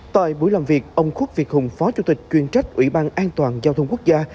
tại buổi làm việc ông khuất việt hùng phó chủ tịch chuyên trách ủy ban an toàn giao thông quốc gia